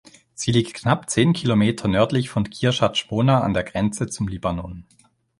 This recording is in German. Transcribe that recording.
Sie liegt knapp zehn Kilometer nördlich von Kirjat Schmona an der Grenze zum Libanon.